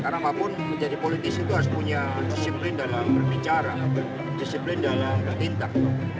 karena apapun menjadi politik itu harus punya disiplin dalam berbicara disiplin dalam berhintang